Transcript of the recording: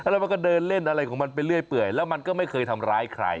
แล้วมันก็เดินเล่นอะไรของมันไปเรื่อยเปื่อยแล้วมันก็ไม่เคยทำร้ายใคร